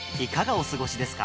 お過ごしですか？